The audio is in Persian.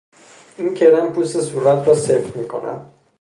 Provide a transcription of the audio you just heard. این کرم پوست صورت را سفت می کند.